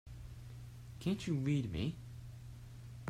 Can't you read me?